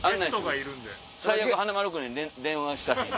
最悪華丸君に電話したら。